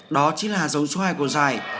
đó chính là hà giống số hai của giải